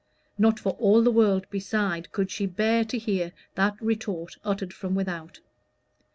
Not for all the world beside could she bear to hear that retort uttered from without.